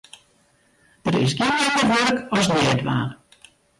Der is gjin minder wurk as neatdwaan.